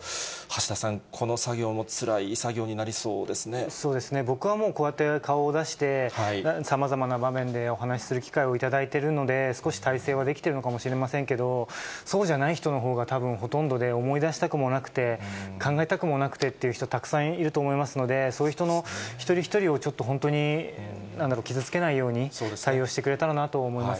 橋田さん、この作業もつらい作業そうですね、僕はもう、こうやって顔を出して、さまざまな場面でお話しする機会を頂いてるので、少し耐性はできてるのかもしれませんが、そうじゃない人のほうがたぶん、ほとんどで、思い出したくもなくて、考えたくもなくてという人、たくさんいると思いますので、そういう人の、一人一人をちょっと本当になんだろう、傷つけないように対応してくれたらなと思います。